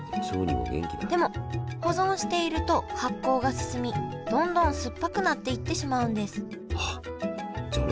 でも保存していると発酵が進みどんどん酸っぱくなっていってしまうんですあっじゃ